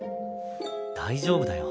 大丈夫だよ。